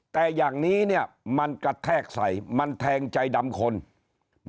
แต่อย่างนี้เนี่ยมันกระแทกใส่มันแทงใจดำคน